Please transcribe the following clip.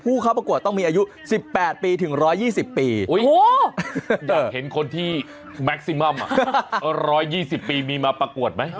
อุ๊ยอยากเห็นคนที่แมคซิมัมอ่ะร้อยยี่สิบปีมีมาปรากวดไหม